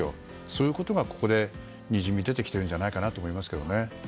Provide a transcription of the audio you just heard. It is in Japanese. そういうことが、ここでにじみ出てきてるんじゃないかと思いますけどね。